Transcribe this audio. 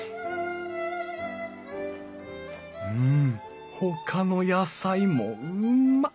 うんほかの野菜もうんま！